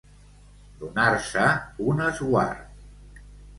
Donar-se un esguard.